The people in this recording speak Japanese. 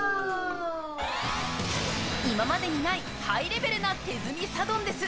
今までにないハイレベルな手積みサドンデス。